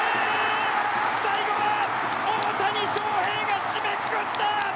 最後は大谷翔平が締めくくった！